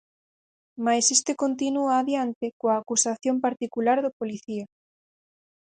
Mais este continúa adiante coa acusación particular do policía.